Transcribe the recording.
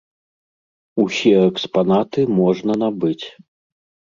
Усе экспанаты можна набыць.